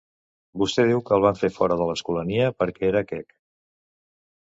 Vostè diu que el van fer fora de l'Escolania perquè era quec.